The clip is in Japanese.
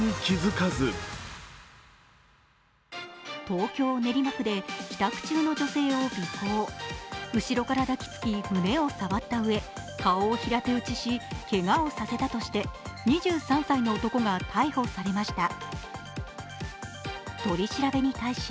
東京・練馬区で帰宅中の女性を尾行、後ろから抱きつき胸を触ったうえ顔を平手打ちし、けがをさせたとして２３歳の男が逮捕されました。